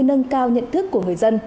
nâng cao nhận thức của người dân